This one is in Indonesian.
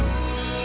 sampai jumpa lagi